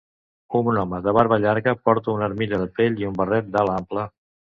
Un home de barba llarga porta una armilla de pell i un barret d'ala ampla.